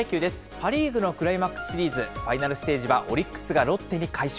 パ・リーグのクライマックスシリーズ、ファイナルステージはオリックスがロッテに快勝。